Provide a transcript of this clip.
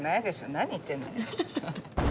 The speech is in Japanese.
何言ってんのよ。